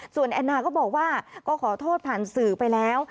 ส่วนแอนนาก็บอกว่าก็ขอโทษผ่านสื่อไปแล้ว